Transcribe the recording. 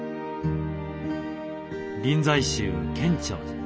臨済宗建長寺。